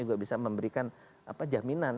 juga bisa memberikan jaminan